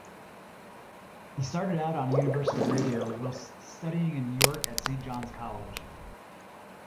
He started out on university radio whilst studying in York at Saint John's College.